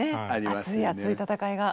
熱い熱い戦いが。